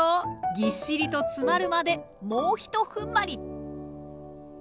ぎっしりと詰まるまでもうひとふんばり。